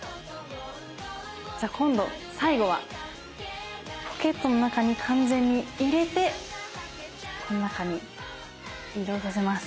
じゃあ今度最後はポケットの中に完全に入れてこの中に移動させます。